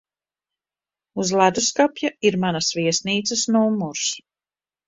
Uz ledusskapja ir manas viesnīcas numurs.